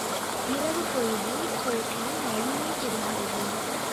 இரவுப் பொழுதில் கோட்டான் வலிமை பெறுகிறது.